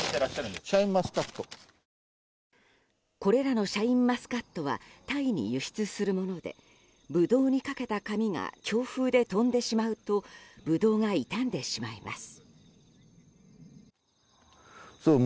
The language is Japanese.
これらのシャインマスカットはタイに輸出するものでブドウにかけた紙が強風で飛んでしまうとブドウが傷んでしまいます。